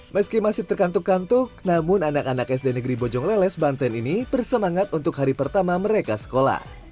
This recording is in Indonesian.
meski masih terkantuk kantuk namun anak anak sd negeri bojong leles banten ini bersemangat untuk hari pertama mereka sekolah